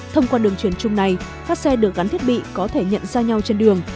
thông qua đường truyền chung này các xe được gắn thiết bị có thể nhận ra nhau trên đường